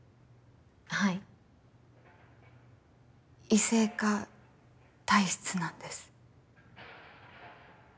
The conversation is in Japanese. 異性化体質なんです。